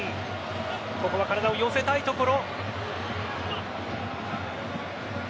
ここは体を寄せたいところ。